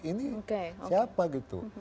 ini siapa gitu